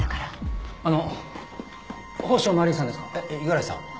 えっ五十嵐さん？